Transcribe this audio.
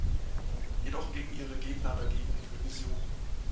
Jedoch gingen ihre Gegner dagegen in Revision.